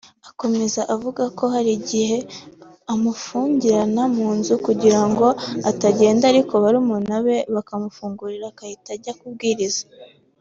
Akomeza avuga ko hari igihe amufungirana mu nzu kugira ngo atagenda ariko barumuna be bakamukingurira agahita ajya kubwiriza